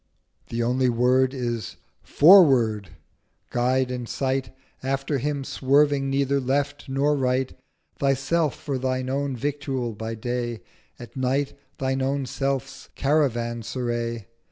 The only word is 'Forward!' Guide in sight, After him, swerving neither left nor right, 1160 Thyself for thine own Victual by Day, At night thine own Self's Caravanserai.